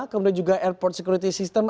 kemudian juga airport security system